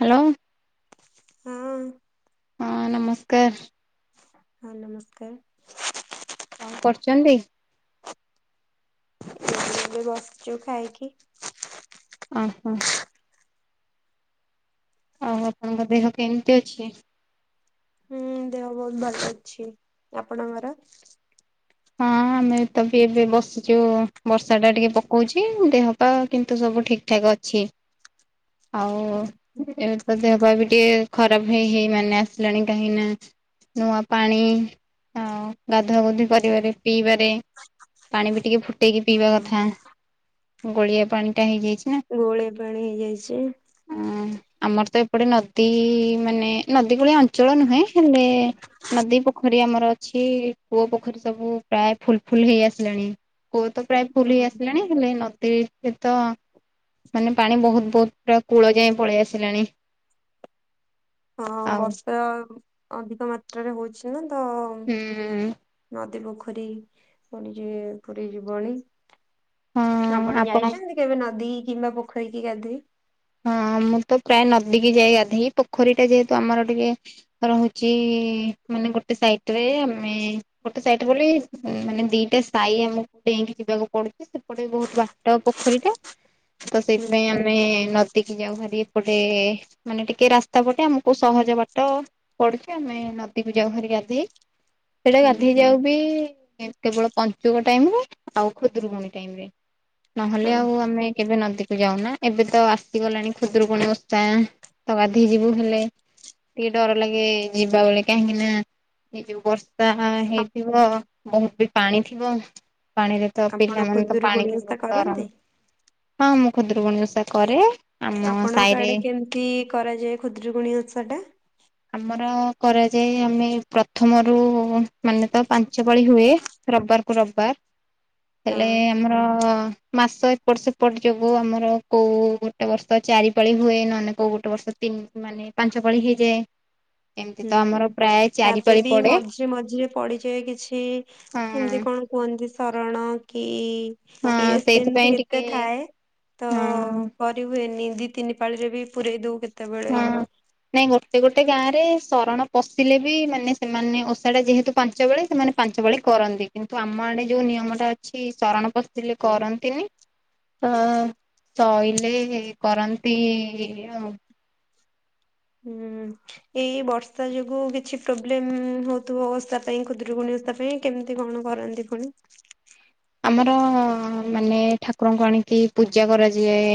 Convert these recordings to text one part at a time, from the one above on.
Hello. ହଁ। ହଁ ନମସ୍କାର। ହଁ ନମସ୍କାର। କଣ କରୁଛନ୍ତି? ଏବେ ବସିଛୁ ଖାଇକି। ଓ ହୋ। ଆଉ ଆପଣଙ୍କ ଦେହ କେମିତି ଅଛି? ହୁଁ ଦେହ ବହୁତ ଭଲ ଅଛି ଆପଣଙ୍କର? ହଁ ଆମେ ତ ବି ଏବେ ବସିଛୁ ବର୍ଷା ଟା ଟିକେ ପକଉଛି ଦେହ ପା କିନ୍ତୁ ସବୁ ଠିକ୍ ଠାକ୍ ଅଛି ଆଉ ଏରା [unintelligible] ଦେହ ପାହା ବି ଟିକେ ଖରାପ ହେଇ ହେଇ ମାନେ ଆସିଲାଣି କାହିଁକି ନା ନୂଆ ପାଣି ଆଉ ଗାଧୁଆ ଗଧୁ କରିବାରେ ପିଇବାରେ ପାଣି ବି ଟିକେ ଫୁଟେଇକି ପିଇବା ହଁ କଥା। ଗଳିଆ ପାଣି ଟା ହେଇଯାଇଛି ନା। ଗୋଳେଇ ପାଣି ହେଇଯାଇଛି। ହଁ ଆମର ତ ଏପଟେ ନଦୀ ମାନେ ନଦୀ କୂଳିଆ ଅ ଞ୍ଚଳ ନୁହେଁ ହେଲେ ନଦୀ ପୋଖରୀ ଆମର ଅଛି କୂଅ ପୋ ପୋଖରୀ ସବୁ ପ୍ରାୟ ଫୁଲ ଫୁଲ ହେଇ ଆସିଲାଣି କୁଅ ତ ପ୍ରାୟ ଫୁଲ ହେଇ ଆସିଲାଣି। ହେଲେ ନଦୀରେ ତ ମାନେ ପାଣି ବହୁତ ବହୁତ ପୁରା କୂଳ ଯାଏଁ ପଳେଇ ଆସିଲାଣି। ହଁ ଆଉ ବର୍ଷ ଅଧିକ ମାତ୍ରାରେ ହଉଛି ନା ତ ହୁଁ। ନଦୀ ପୋଖରୀ ପୁରି ଜି ପୁରି ଯିବଣି। ହଁ ଆପଣ ଯାଇଛନ୍ତି କେବେ ନଦୀ କିମ୍ବା ପୋଖରୀ କି ଗାଧୋଇ? ହଁ ମୁଁ ତ ପ୍ରାୟ ନଦୀ କିି ଯାଇ ଗାଧେଇ ପୋଖରୀ ଟା ଯେହେତୁ ଆମର ଟିକେ ରହୁଛି ମାନେ ଗୋଟେ ସାଇଟ ରେ ଆମେ ଗୋଟେ ସାଇଟ ବୋଲେ ମାନେ ଦିଟା ସାହି ଆମକୁ ଡେଇଁକି ଯିବାକୁ ପଡୁଛି। ସେପଟେ ବି ବହୁତ ବାଟ ପୋଖରୀଟା। ତ ହୁଁ ସେଇଥିପାଇଁ ଆମେ ନ ଦି କି ଯାଉ ହରି ଏପଟେ ମାନେ ଟିକେ ରାସ୍ତା ପଟେ ଆମକୁ ସହଜ ବାଟ। ପଡୁଚି ଆମେ ନଦୀକୁ ଯାଉ ହରି ଗାଧେଇ ସେଇଟା ହୁଁ ଗାଧେଇ ଯାଉ ବି କେବଳ ପଞ୍ଚୁକ ଟାଇମରେ ଆଉ ଖୁଦୁରୁକୁଣି ଟାଇମରେ। ଅ ନହେଲେ ଆଉ ଆମେ କେବେ ନଦୀକୁ ଯାଉନା ଏବେ ତ ଆ ସିଗଲାଣି ଖୁଦୁରୁକୁଣୀ ଓଷା ତ ଗାଧେଇ ଯିବୁ ହେଲେ। ଟିକେ ଡର ଲାଗେ ଯିବା ବଳେ କାହିଁକି ନା ଏଇ ଯୋଉ ବର୍ଷା ହେଇଥିବ ବୋହୁତ୍ ବି ପାଣି ଥିବ। ପାଣିରେ ତ ଆପଣ ପିଲାମାନେ ତ ପାଣି ଖୁଦୁରୁକୁୁଣି କି ଓଷା କରନ୍ତି? ଡରନ୍ତି। ହଁ ମୁଁ ଖୁଦୁରୁକୁଣୀ ଓଷା କରେ। ଆମ ଆପଣଙ୍କ ସାହିରେ ଆଡେ କେମ୍ତି କରାଯାଏ ଖୁଦୁରୁକୁଣୀ ଓଷା ଟା? ଆମର କରାଯାଏ ଆମେ ପ୍ରଥମରୁ ମାନେ ତ ପାଞ୍ଚ ପାଳି ହୁଏ। ରବ୍ ବାର୍ କୁ ରବ୍ ବାର୍ ହେଲେ ହଁ। ଆମର ମାସ ଏପଟ୍ ସେପଟ୍ ଯୋଗୁ ଆମର କୋଉ ଗୋଟେ ବର୍ଷ ଚାରିପଳି ହୁଏ। ନହେନେ କୋଉ ଗୋଟେ ବର୍ଷ ତିନ୍ ‍‍ମାନେ ପାଞ୍ଚ ପଳି ହେଇଯାଏ। ଏମିତି ତ ଆମର ହୁଁ ପ୍ରାୟ ଚାରି ତାପରେ ପାଳି ବି ପଡେ ମଝିରେ ମଝିରେ ପଡିଯାଏ କିଛି ହଁ ଏମିତି କଣ୍। କୁହନ୍ତି ଶରଣ କି ହଁ ଇଏ ସେମ୍ ସେଇଥିପାଇଁ ତି କେତେ ଟିକେ ଥାଏ ତ ହଁ କ ହୁଏନି ଦି ତିନି ପାଳି ରେ ବି ପୁରଇ ଦୋଉ କେ ହୁଁ। ନାଇଁ ଗୋଟେ ଗୋଟେ ଗାଁ ରେ ଶରଣ ପଶିଲେ ବି ମାନେ ସେମାନେ ଓଷାଟା ଯେହେତୁ ପାଞ୍ଚ ବେଳେ ସେମାନେ ପାଞ୍ଚ ଭଳି କରନ୍ତି କିନ୍ତୁ ଆମ ଆଡେ ଯୋଉ ନିୟମ ଟା ଅଛି ଶରଣ ପଶିଲେ କରନ୍ତିନି। ତ ଶୋଇିଲେ କରନ୍ତି ଆଉ ହୁଁ। ଏଇ ବର୍ଷା ଯୋଗୁ କିଛି ପ୍ରୋବ୍ଲେମ୍ ହୋଉଥୁବ ଓସା ପାଇଁ ଖୁ ଦୁରୀକୁଣି ଓଷା ପାଇଁ କେମିତି କଣ କରନ୍ତି ଫୁଣି ଆମର ମାନେ ଠାକୁରଙ୍କୁ ଆଣିକି ପୂଜା କରାଯାଏ।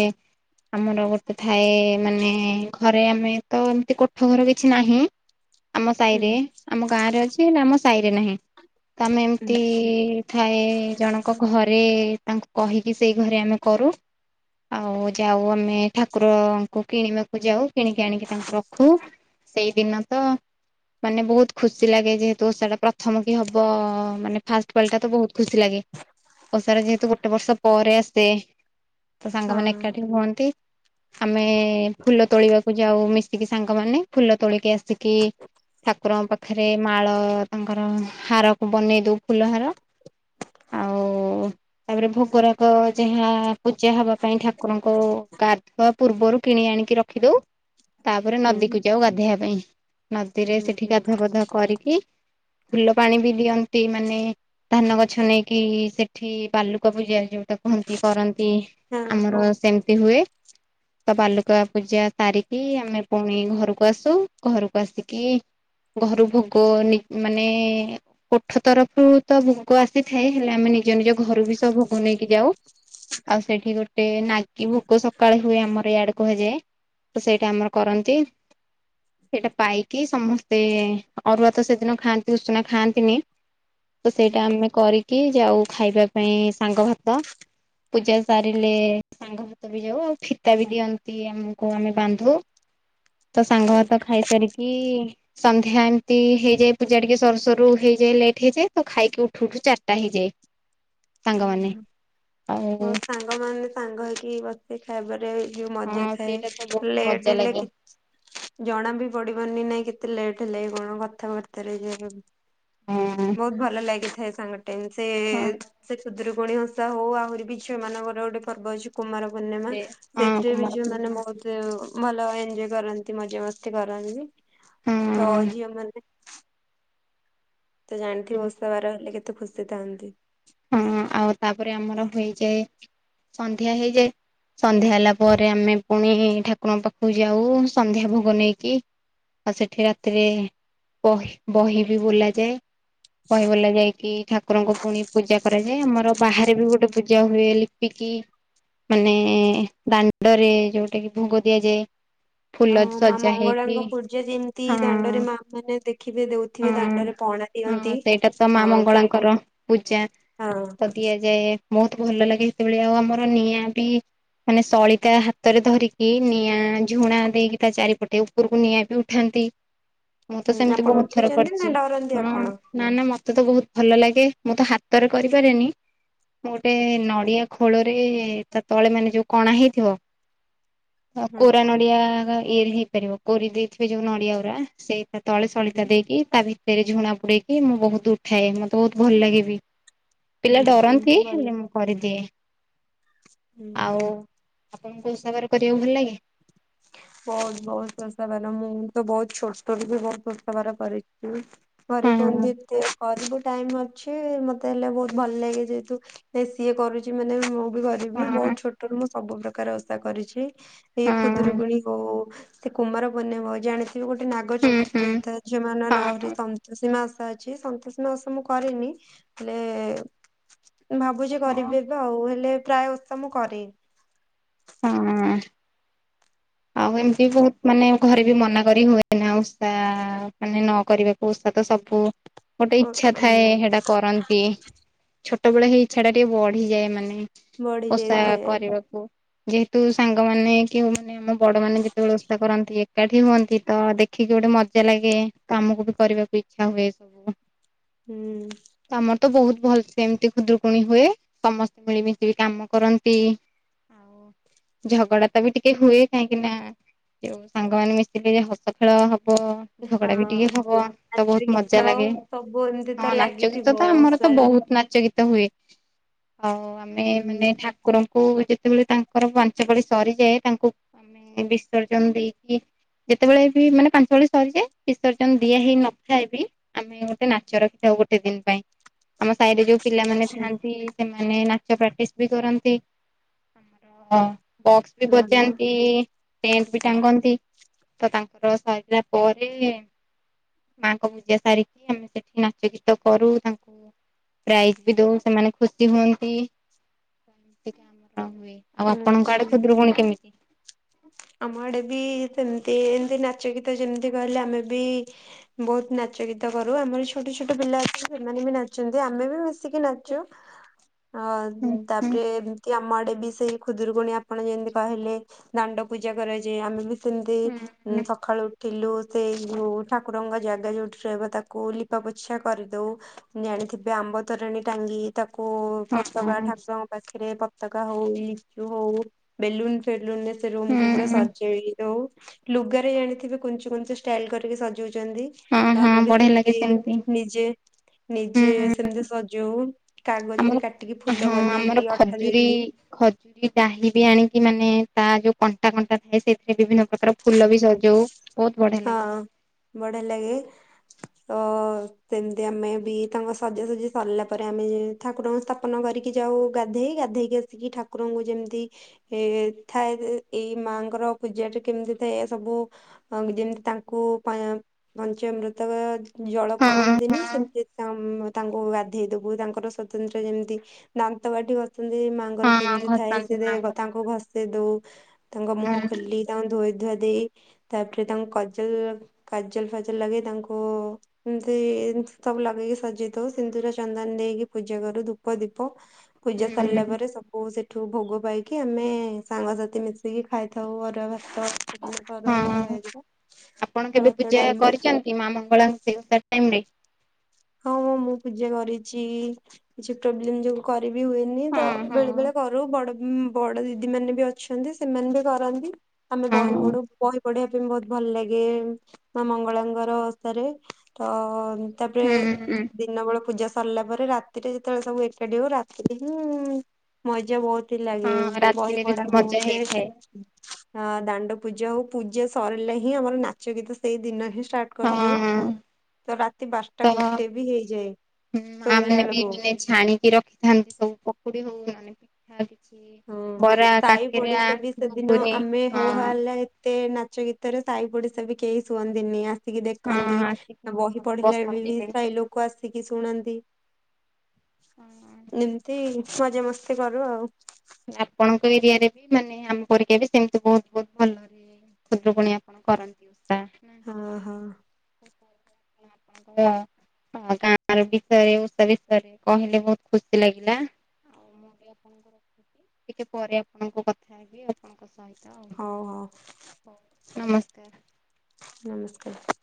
ଆମର ଗୋଟେ ଥାଏ ମାନେ ଘରେ ଆମେ ତ ଏମିତି କୋଠ ଘର କିଛି ନାହିଁ। ଆମ ହୁଁ। ସାଇରେ ଆମ ଗାଁ ରେ ଅଛି ହେଲେ ଆମ ସାଇରେ ନାହିଁ ତ ଆମେ ଏମିତି ଆଚ୍ଛା। ଇ ଥାଏ ଜଣଙ୍କ ଘରେ ତାଙ୍କୁ କହିକି ସେଇ ଘରେ ଆମେ କରୁ। ଆଉ ଯାଉ ଆମେ ଠାକୁରଙ୍କୁ କିଣିବାକୁ ଯାଉ କିଣିକି ଆଣିକି ତାଙ୍କୁ ରଖୁ। ସେଇଦିନ ତ ମାନେ ବୋହୁତ୍ ଖୁସି ଲାଗେ ଯେହେତୁ ଓଷାଟା ପ୍ରଥମ କି ହବ ମାନେ ଫାଷ୍ଟ୍ ପାଳି ଟା ତ ବୋହୁତ୍ ଖୁସି ଲାଗେ। ଓଷାର ଯେହେତୁ ଗୋଟେ ବର୍ଷ ପରେ ଆସେ ତ ସାଙ୍ଗମାନେ ହଁ ଏକାଠି ହୁଅନ୍ତି। ଆମେ ଫୁଲ ତୋଳିବାକୁ ଯାଉ ମିଶିକି ସାଙ୍ଗମାନେ ଫୁଲ ତୋଳିକି ଆସିକି ଠାକୁରଙ୍କ ପାଖରେ ମାଳ ତାଙ୍କର ହାରକୁ ବନେଇ ଦୋଉ ଫୁଲ ହାର। ଓ ତାପରେ ଭୋଗରାଗ ଯାହା ପୂଜା ହବା ପାଇଁ ଠାକୁରଙ୍କୁ ଗାଧୁଆ ପୂର୍ବରୁ କିଣି ଆଣିକି ରଖିଦୋଉ। ତାପରେ ହୁଁ ନଦୀକୁ ଯାଉ ଗାଧେଇବା ପାଇଁ ନଦୀରେ ସେଠି ଗାଧୁଆ ପାଧୁଆ କରିକି ଫୁଲ ପାଣି ବି ଦିଅନ୍ତି ମାନେ ଧାନ ଗଛ ନେଇକି ସେଠି ବାଲୁକା ପୂଜା ଯୋଉଟା କୁହନ୍ତି କରନ୍ତି ହୁଁ ଆମର ସେମିତି ହୁଏ। ତ ବାଲୁକା ପୂଜା ସାରିକି ଆମେ ପୁଣି ଘରୁକୁ ଆସୁ ଘରକୁ ଆସିକି ଘରୁ ଭୋଗ ନେ ମାନେ କୋଠ ତରଫ୍ ରୁ ତ ଭୋଗ ଆସି ଥାଏ ହେଲେ ଆମେ ନିଜ ନିଜ ଘରୁ ବି ସବୁ ଭୋଗ ନେଇକି ଯାଉ। ଆଉ ସେଠି ଗୋଟେ ନାଗି ଭୋକ ସକାଳେ ହୁଏ ଆମର ଇଆଡେ କୁହାଯାଏ। ତ ସେଇଟା ଆମର କରନ୍ତି। ସେଇଟା ପାଇକି ସମସ୍ତେ ଅରୁଆ ତ ସେଦିନ ଖାଆନ୍ତି ଉଷୁନା ଖାଆନ୍ତିନି। ତ ହଁ ସେଇଟା ଆମେ କରିକି ଯାଉ ଖାଇବା ପାଇଁ ସାଙ୍ଗ ଭାତ। ପୂଜା ସାରିଲେ ସାଙ୍ଗ ଭାତ ବି ଯାଉ ଆଉ ଫିତା ବି ଦିଅନ୍ତି ଆମକୁ ଆମେ ବାନ୍ଧୁ। ତ ସାଙ୍ଗ ଭାତ ଖାଇସାରିକି ସନ୍ଧ୍ୟା ଏମିତି ହେଇଯାଏ ପୂଜା ଟିକେ ସରୁ ସରୁ ହେଇଯାଏ ଲେଟ୍ ହେଇଯାଏ ତ ଖାଇକି ଉଠୁ ଉଠୁ ଚାର୍ ଟା ହେଇଯାଏ ସାଙ୍ଗମାନେ ଆଉ ସାଙ୍ଗ ମାନ ସାଙ୍ଗ ହେଇକି ବସି ଖାଇବାରେ ଯୋଉ ମଜା ହଁ ସେଇଟା ତ ବହୁତ ଥାଏ ମଜା ଲେଟ ହେଲେ ଲାଗେ କି ଜଣା ବି ପଡିବନି ନାଇଁ କେତେ ଲେଟ୍ ହେଲା କି କଣ କଥାବାର୍ତ୍ତାରେ [unintelligible] ହଁ ବହୁତ ଭଲ ଲାଗିଥାଏ ସାଙ୍ଗ ଟାଇମ୍ ସେ ହଁ ସେ ଖୁଦୁରୁକୁଣୀ ଓଷା ହଉ ଆହୁରି ବି ଝିଅ ମାନଙ୍କର ଗୋଟେ ପର୍ବ ଅଛି। କୁମାର ପୂର୍ଣ୍ଣିମା ସେ ହଁ ସେଥିରେ ବି କୁମାର ଯୋଉମାନେ ପୂର୍ଣ୍ଣିମା ବହୁତୁ କୁ ଭଲ ଏଞଜୟ କରନ୍ତି ମଜା ମସ୍ତି କରନ୍ତି ତ ଝିଅମାନେ ତ ଜାଣିଥିବ ହଁ ଓଷା ବାର ହେଲେ କେତେ ଖୁସି ଥାନ୍ତି। ହଁ ଆଉ ତାପରେ ଆମର ହୋଇଯାଏ ସନ୍ଧ୍ୟା ହେଇଯାଏ। ସନ୍ଧ୍ୟା ହେଲା ପରେ ଆମେ ପୁଣି ଠାକୁରଙ୍କ ପାଖକୁ ଯାଉ ସନ୍ଧ୍ୟା ଭୋଗ ନେଇକି। ଆଉ ସେଠି ରାତିରେ ପହି ବହି ବି ବୋଲାଯାଏ। ବହି ବୋଲା ଯାଇକି ଠାକୁରଙ୍କୁ ପୁଣି ପୂଜା କରାଯାଏ ଆମର ବାହାରେ ବି ଗୋଟେ ପୂଜା ହୁଏ ଲିପିକି ମାନେ ଦାଣ୍ଡରେ ଯୋଉଟା କି ଭୋଗ ଦିଆଯାଏ। ହଁ ଫୁଲ ମା ସଜା ହେଇକି ମଙ୍ଗଳାଙ୍କ ପୂଜା ଯେମିତି ହଁ ଦାଣ୍ଡରେ ହଁ ମା ମାନେ ଦେଖିବେ ଦଉଥିବେ ଦାଣ୍ଡରେ ପଣା ହଁ ଦିଅନ୍ତି। ସେଇଟା ତ ମା ହଁ ସେଇଠି ମଙ୍ଗଳାଙ୍କର ପୂଜା ହଁ ତ ଦିଆ ଯାଏ ବହୁତ ଭଲ ଲାଗେ ସେତେବେଳେ ଆଉ ଆମର ନିଆଁ ବି ମାନେ ସଳିତା ହାତରେ ଧରିକି ନିଆଁ ଝୁଣା ଦେଇକି ତା ଚାରିପଟେ ଉପରକୁ ନିଆଁ ବି ଉଠାନ୍ତି। ମୁଁ ତ ହୁଁ ସେମିତି ଆପଣ ବହୁତ ଥର ଉଠେଇଛନ୍ତି ନା କରିଛି ଡରନ୍ତି ହଁ ଆପଣ? ନା ନା ମତେ ତ ବହୁତ ଭଲ ଲାଗେ। ମୁଁ ତ ହାତରେ କରିପାରେନି ମୁଁ ଗୋଟେ ନଡ଼ିଆ ଖୋଳରେ ତା ତଳେ ମାନେ ଯୋଉ କଣା ହେଇଥିବ କୋରା ଆଚ୍ଛା ନଡିଆ ଗ ଇଏରେ ହେଇପାରିବ କୋରି ଦେଇଥିବେ ଯୋଉ ନଡିଆ ଉରା ସେ ତଳେ ସଳିତା ହୁଁ ଦେଇକି ତା ଭିତରେ ଝୁଣା ବୁଡେଇକି ମୁଁ ବହୁତ ଉଠାଏ ମୋତେ ବହୁତୁ ଭଲ ଲାଗେବି ପିଲା ଆଚ୍ଛା ଡରନ୍ତି ହେଲେ ଭଲ ମୁଁ କରିଦିଏ ଆଉ ହୁଁ। ଆପଣଙ୍କୁ [unintelligible] କରିବାକୁ ଭଲ ଲାଗେ। ବହୁତ ବହୁତ ଶସ୍ତା ବାଲା ମୁଁ ତ ବହୁତ ଛୋଟ ରୁ ବି ବହୁତ [unintelligible] କରିଛି। ଘରେ କୁହନ୍ତି ହଁ ଏତେ ପରେ ବି ଟାଇମ ଅଛି ମତେ ହେଲେ ବହୁତ ଭଲ ଲାଗେ ଯେହେତୁ ଏ ସିଏ କରୁଛି ମାନେ ମୁଁ କରିବି ହଁ ବହୁତ ଛୋଟରୁୁ ମୁଁ ସବୁ ପ୍ରକାର ଓଷା କରିଛି ଏଇ ହଁ ଖୁଦୁରୁକୁୁଣି ହଉ [inaudible] ସେ କୁମାର ପୂର୍ଣ୍ଣିମା ହଉ ଜାଣିଛି [inaudible] ସେ ଗୋଟେ ହୁଁ ହୁଁ ନାଗ-ଚ-ଚତୁର୍ଥୀ ଥାଏ ଝିଅ ମାନର ଆହୁରି ହଁ ସନ୍ତୋଷୀ ମାସ ଓଷା ଅ ଅଛି ସନ୍ତୋଷ ଓଷା ମୁଁ କରେନି ହେଲେ ଭାବୁଛି କରିବି [inaudible] ଆଉ ହେଲେ ପ୍ରାୟ ଓଷା ମୁଁ କରେ। ହୁଁ ଆଉ ଏମିତି ବହୁତ ମାନେ ଘରେ ବି ମନା କରି ହୁଏନା ଉଷା ଷା ମାନେ ନକରିବାକୁ ଉଷା ତ ସବୁ ଗୋଟେ ଓ ଇଛା ଉଁ ଥାଏ ସେଟା କରନ୍ତି। ଛୋଟ ବେଳେ ହେଇ ଇଚ୍ଛା ଟା ଟିକେ ବଢିଯାଏ ମାନେ ବଢି ଓଷା ଯାଇଥାଏ କରିବାକୁ। ଯେହେତୁ ସାଙ୍ଗମାନେ କେଉ ମାନ ଆମ ବଡ ମାନେ ଯେତେବେଳେ ଓଷା କରନ୍ତି ଏକାଠି ହୁଅନ୍ତି ତ ଦେଖିକି ଗୋଟେ ମଜା ଲାଗେ। କାମକୁ ବି କରିବାକୁ ଇଛା ହୁଏ ସବୁ। ହୁଁ ତମର ତ ବହୁତ ଭଲସେ ଏମିତି ଖୁଦୁକୁଣୀ ହୁଏ ସମସ୍ତେ ମିଳିମିଶି କାମ କରନ୍ତି। ଆଉ ଝଗଡା ତ ବି ଟିକେ ହୁଏ କାହିଁକି ନା ଯୋଉ ସାଙ୍ଗମାନେ ମିଶିଲେ ଯେ ହସ ଖେଳ ହବ। ଝଗଡା ବି ଟିକେ ହଁ। ହବ ତ ନାଚ ବହୁତ ମଜା ଗୀତ ଲାଗେ ସବୁ ଏମିତି ତ ହଁ ନାଚ ଗୀତ ଲାଗିଥିବ ତ ଆମର ତ ଓଷାରେ। ବହୁତ ନା ଗୀତ ହୁଏ ଆଉ ଆମେ ମାନେ ହୁଁ ଠାକୁରଙ୍କୁ ଯେତେବେଳେ ତାଙ୍କ ତାଙ୍କର ପାଞ୍ଚ ପାଳି ସରିଯାଏ ତାଙ୍କୁ ଆମେ ବିସର୍ଜନ ଦେଇକି ଯେତେବେଳେ ବି ମାନେ ପାଞ୍ଚ ପାଳି ସରିଯାଏ। ବିସର୍ଜନ ଦିଆ ହେଇ ନଥାଏ ବି ଆମେ ଗୋଟେ ନାଚ ରଖିଥାଉ ଗୋଟେ ଦିନ ପାଇଁ ଆମ ସାଇରେ ଯୋଉ ପିଲାମାନେ ଆଚ୍ଛା ଥାଆନ୍ତି ସେମାନେ ନାଚ ପ୍ରାଟିସି ବି କରନ୍ତି। ହଁ ବକ୍ସ ବି ଭଲ ବଜାନ୍ତି। ଟେଣ୍ଟ ବି ଟାଙ୍ଗନ୍ତି ତ ତାଙ୍କର ସରିଲା ପରେ ମାଙ୍କ ପୂଜା ସାରିକି ଆମେ ସେଠି ନାଚ ଗୀତ କରୁ ତାଙ୍କୁ ପ୍ରାଇଜି ବି ଦଉ ସେମାନେ ଖୁସି ହୁଅନ୍ତି [inaudible] ହଁ ହୁଏ। ଆଉ ଆପଣଙ୍କ ଆଚ୍ଛା। ଆଡେ ଖୁଦୁରୁକୁଣୀ କେମିତି? ଆମ ଆଡେ ବି ସେମିତି ଏମିତି ନାଚ ଗୀତ ଯେମିତି କହିଲେ ଆମେ ବି ବହୁତୁ ନାଚ ଗୀତ କରୁ ଆମର ଛୋଟ ଛୋଟ ପିଲା ଅଛନ୍ତି ସେମାନେ ବି ନାଚନ୍ତି ଆମେ ବି ମିଶିକି ନାଚୁ। ହଁ ହୁଁ ତାପରେ ଏମିତି ଆମ ଆଡେ ବି ସେଇ ଖୁଦୁରୁକୁଣୀ ଆପଣ ଯେମିତି କହିଲେ ଦାଣ୍ଡ ପୂଜା କରାଯାଏ ଆମେ ବି ସେମିତି ହଁ ସକାଳୁ ଥିଲୁ ସେଇ ଯୋଉ ଠାକୁରଙ୍କ ଜାଗା ଯୋଉଠି ରହିବ ତାକୁ ଲିପା ପୋଛା କରିଦେଉ ଜାଣିଥିବେ ଆମ୍ବ ତରଣୀ ଟାଙ୍ଗି ତାକୁ ପତକା ହଁ ଠାକୁରଙ୍କ ପାଖରେ ପ ପତକା ହଉ ଲିଚୁ ହଉ ବେଲୁନୁ ଫେଲୁନୁ ରେ ସେ ରୁମ କୁ ସଜେଇ ଦଉ ଲୁଗାରେ ଜାଣିଥିବେ କୁଞ୍ଚି କୁଞ୍ଚୀ ଷ୍ଟାଇଲି କରି ସଜେ ସଜଉଛନ୍ତି ହଁ ତ ହଁ ଆମେ ବି ବଢିଆ ସେମିତି ଲାଗେ ନିଜେ ନିଜେ ହୁଁ। ସେମିତି ସ ଯୋଉ କାଗଜ ଆମର ବି କାଟିକି ଫୁଲ ବନେଇକି ଅଠା ଦେଇକି ଇ ଡାହି ବି ଆଣିକି ମାନେ ତା ଯୋଉ କଣ୍ଟା କଣ୍ଟା ଥାଏ ସେଥିରେ ବିଭିନ୍ନ ପ୍ରକାର ଫୁଲ ବି ସଜଉ। ବହୁତୁ ବଢିଆ ହଁ ଲାଗେ। ବଢିଆ ଲାଗେ। ତ ସେମିତି ଆମେ ବି ତାଙ୍କ ସଜାସଜି ସରିଲା ପରେ ଆମେ ଠାକୁରଙ୍କୁ ସ୍ଥାପନ କରିକି ଯାଉ ଗାଧେଇ ଗାଧେଇକି ଆସିକି ଠାକୁରଙ୍କୁ ଯେମିତି ଏ ଥାଏ ଏଇ ମାଙ୍କର ପୂଜା ଟା କେମିତି ଥାଏ ଏ ସବୁ ଯେମିତି ତାଙ୍କୁ ପା ପଞ୍ଚାମୃତ ଜଳ ହଁ କରନ୍ତିନି ହଁ। ସେମିତି ତାମ ତା ଓ ଗାଧେଇ ଦବୁ ତାଙ୍କର ସତନ୍ତ୍ର ଯେମିତି ଦାନ୍ତ କାଠି ଘଷନ୍ତି ମା ତାଙ୍କର ହଁ ସେମିତି ଥାଏ ଘଷନ୍ତି ସେ ମାଙ୍କର ତାଙ୍କୁ ଘଷେଇ ଦଉ ତାଙ୍କ ମୁହଁ ହୁଁ ଖୋଲି। ତାଙ୍କୁ ଧୋଇ ଧୁଆ ଦେଇ ତାପରେ ତାଙ୍କୁ କଜଲ କାଜଲ ଫାଜଲ ଲଗେଇ ତାଙ୍କୁ ଏମିତି ଏମିତି ସବୁ ଲଗେଇକି ସଜେଇଦଉ ସିନ୍ଦୁର, ଚନ୍ଦନ ଦେଇକି ପୂଜା କରୁ ଧୂପ, ଦୀପ। ପୂଜା ସରିଲା ହୁଁ ପରେ ସବୁ ସେଠୁ ଭୋଗ ପାଇକି ଆମେ ସାଙ୍ଗସାଥି ମିଶି ମିଶିକି ଖାଇଥାଉ ଅରୁଆ ଭାତ ଅରୁଆ ଭାତ ହଁ। ଅଧିକ ଭାତ, ଡାଲମା। ଏ ମା ମଙ୍ଗଳାଙ୍କୁ ସେ ଟାଇମ୍ ରେ। ହଁ ମୁଁ ପୂଜା କରିଚି କିଛି ପ୍ରୋବ୍ଲେମ ଯୋଗୁ କରିବି ହୁଏ ନି ତ ହଁ ହଁ। ବେଳେ ବେଳେ କରୁ ବଡ ବଡ ଦିଦି ମାନେ ବି ଅଛନ୍ତି ସେମାନେ ବି କରନ୍ତି। ଆମେ ହଁ ବହି ପଢୁ। ବହି ପଢିବା ପାଇଁ ବହୁତୁ ଭଲ ଲାଗେ ମା ମଙ୍ଗଳାଙ୍କର ହସ୍ତରେ ତ ତାପରେ ହୁଁ ହୁଁ ଦିନ ବେଳେ ପୂଜା ସରିଲା ପରେ ରାତିରେ ଯେତେବେଳେ ସବୁ ଏକାଠି ହଉ ରାତିରେ ହିଁ ମଜା ବହୁତୁ। ତି ଲାଗେ ହଁ ବହି ରାତିରେ ପଢା ବେଶୀ ହଉ ମଜା ସେ ହେଇଥାଏ ହଁ ଦାଣ୍ଡ ପୂଜା ହଉ ପୂଜା ସରିଲେ ହିଁ ଆମର ନାଚ ଗୀତ ସେଇ ଦିନ ହିଁ ଷ୍ଟାର୍ଟ କରିଦଉ ହଁ ତ ରାତି ତ ବାରଟା ଗୋଟେ ବି ହେଇଯାଏ ହୁଁ ମା ମାନେ ଶୋଇଲା ବି ଆଳକୁ। ମାନେ ଛାଣିକି ରଖିଥାନ୍ତି ସବୁ ପକୁଡି ହଉ ମାନେ ଥା କିଛି। ହୁଁ ବରା ସାହି କାକେରା ପଡିଶା ବି ସେଦିନ ଘୁଗୁନି ଆମେ ହୋ ହଁ ହାଲା। ଏତେ ନାଚ ଗୀତରେ ସାହି ପଡିଶା ବି କେହି ଶୁଅନ୍ତିନି ଆ ଆସିଛି ହଁ ଦେଖନ୍ତି ବହି ଆସିକି ପଢିଲା ବେଳେ ବସନ୍ତି ବି ସାହି ଲୋକ ଆସିକି। ଲୋକ ଆସିକି ଶୁଣନ୍ତି ଉଁ। ଏମତି ମଜା ମସ୍ତି କରୁ ଆଉ। ଆପଣଙ୍କ। ଏରିଆ ରେ ବି ମାନେ ଆମ ପରିକା ବି ସେମିତି ବହୁତ ବହୁତ ଭଲରେ। ଖୁଦୁରୁକୁଣୀ ଆପଣ କରନ୍ତି ଓଷା। ହଁ ହଁ। [inaudible] ଓ ଗାଁ ର ବିଷୟରେ ଉଷା ବିଷୟରେ କହିଲେ ବହୁତ ଖୁସି ଲାଗିଲା। ଏ ଆପଣଙ୍କର। ଟିକେ ପରେ ଆପଣଙ୍କୁ କଥା ହେବି ଆପଣଙ୍କ ସହି ହଉ ହଉ ନମସ୍କାର ନମସ୍କାର।